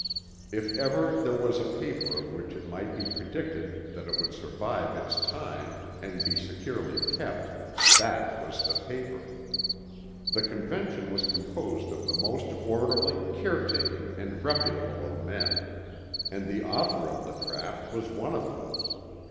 If ever there was a paper of which it might be predicted that it would survive its time and be securely kept, that was the paper. The Convention was composed of the most orderly, caretaking and reputable of men, and the author of the draught was one of them.